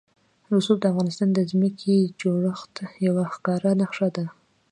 رسوب د افغانستان د ځمکې د جوړښت یوه ښکاره نښه ده.